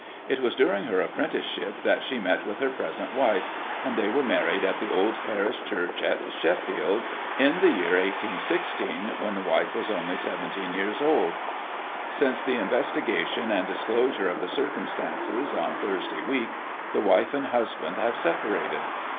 It was during her apprenticeship that she met with her present wife; and they were married at the old parish church of Sheffield, in the year 18 16, when the wife was only 17 years old. Since the investigation and disclosure of the circumstances, on Thursday week, the wife and husband have separated.